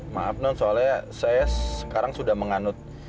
maaf non soalnya saya sekarang sudah menganut